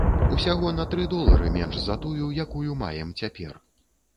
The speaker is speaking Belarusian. Усяго на тры долары менш за тую, якую маем цяпер.